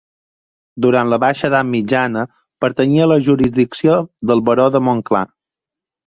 Durant la baixa edat mitjana pertanyia a la jurisdicció del baró de Montclar.